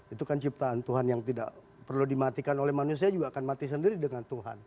itu kan ciptaan tuhan yang tidak perlu dimatikan oleh manusia juga akan mati sendiri dengan tuhan